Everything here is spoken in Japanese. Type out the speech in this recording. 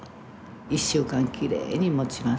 １週間きれいにもちますね。